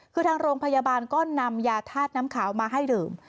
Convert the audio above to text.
คือทางโรงพยาบาลก็นำยาธาตุน้ำขาวมาให้ดื่ม